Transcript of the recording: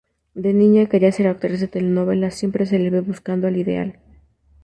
De niña quería ser actriz de telenovela, siempre se le ve buscando al "ideal".